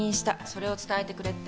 それを伝えてくれ」って。